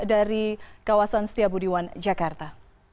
dari kawasan setia budiwan jakarta